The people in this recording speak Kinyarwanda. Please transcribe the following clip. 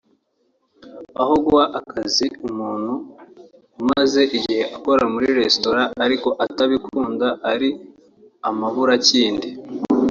Aho guha akazi umuntu umaze igihe akora muri restaurant ariko atabikunda ari amaburakindi